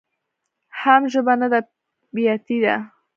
حم ژبه نده بياتي ده.